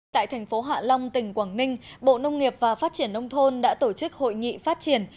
tại thành phố hạ long tỉnh quảng ninh bộ nông nghiệp và phát triển nông thôn đã tổ chức hội nghị phát triển